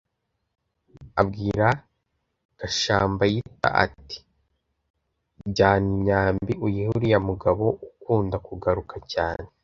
abwira gashambayita, ati: «jyana imyambi uyihe uriya mugabo ukunda kugaruka cyane,